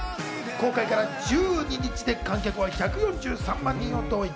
公開から１２日で観客は１４３万人を動員。